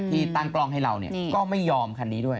ที่ตั้งกล้องให้เราก็ไม่ยอมคันนี้ด้วย